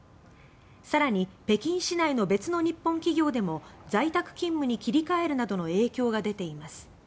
更に北京市内の別の日本企業でも在宅勤務に切り替えるなどの影響が出ています。